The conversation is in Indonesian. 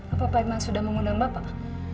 apa pak iman sudah mengundang bapak